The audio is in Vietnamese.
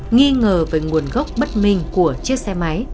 nghi ngờ về nguồn gốc bất minh của chiếc xe máy